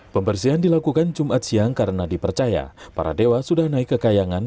pembersihan dilakukan jumat siang karena dipercaya para dewa sudah naik ke kayangan